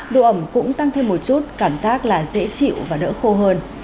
độ ẩm cũng tăng thêm một chút cảm giác là dễ chịu và đỡ khô hơn